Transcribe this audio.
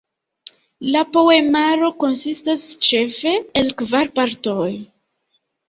La poemaro konsistas ĉefe el kvar partoj.